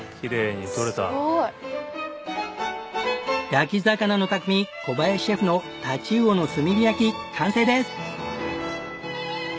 焼き魚の匠小林シェフの太刀魚の炭火焼き完成です！